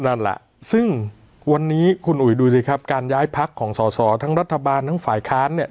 นั่นแหละซึ่งวันนี้คุณอุ๋ยดูสิครับการย้ายพักของสอสอทั้งรัฐบาลทั้งฝ่ายค้านเนี่ย